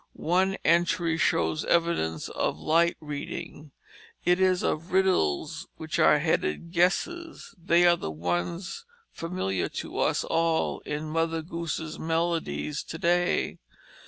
One entry shows evidence of light reading. It is of riddles which are headed "Guesses"; they are the ones familiar to us all in Mother Goose's Melodies to day.